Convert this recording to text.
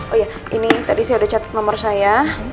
oh iya ini tadi saya sudah catat nomor saya